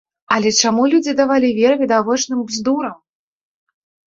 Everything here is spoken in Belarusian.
Але чаму людзі давалі веры відавочным бздурам?